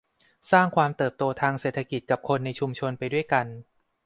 สร้างความเติบโตทางเศรษฐกิจกับคนในชุมชนไปด้วยกัน